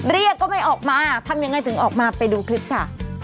เรียกก็ไม่ออกมาทำยังไงถึงออกมาไปดูคลิปค่ะ